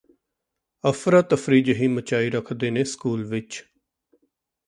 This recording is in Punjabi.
ਅਫ਼ਰਾ ਤਫ਼ਰੀ ਜਿਹੀ ਮਚਾਈ ਰੱਖਦੇ ਨੇ ਸਕੂਲ ਵਿਚ